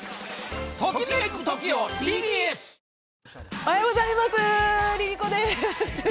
おはようございます、ＬｉＬｉＣｏです。